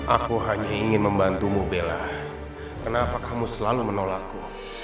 aku hanya ingin membantumu bela kenapa kamu selalu menolakku